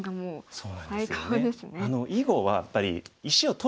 そうなんですよね。